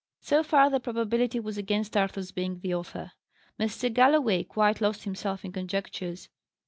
So far the probability was against Arthur's being the author. Mr. Galloway quite lost himself in conjectures.